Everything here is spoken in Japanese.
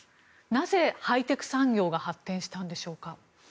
なぜ、ハイテク産業が発展したんでしょうか。